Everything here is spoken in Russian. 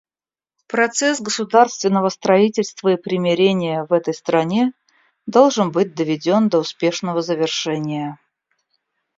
Процесс государственного строительства и примирения в этой стране должен быть доведен до успешного завершения.